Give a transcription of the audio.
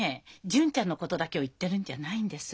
純ちゃんのことだけを言ってるんじゃないんです。